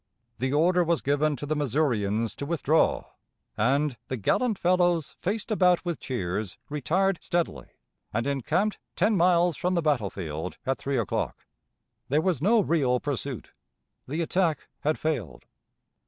The order was given to the Missourians to withdraw, and "the gallant fellows faced about with cheers" retired steadily, and encamped ten miles from the battle field at three o'clock. There was no real pursuit. The attack had failed.